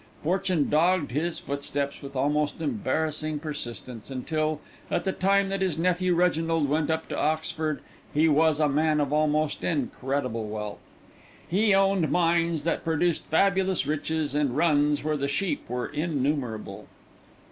Fortune dogged his footsteps with almost embarrassing persistence until, at the time that his nephew Reginald went up to Oxford, he was a man of almost incredible wealth. He owned mines that produced fabulous riches, and runs where the sheep were innumerable.